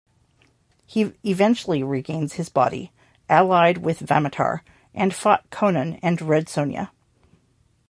He eventually regains his body, allied with Vammatar, and fought Conan and Red Sonja.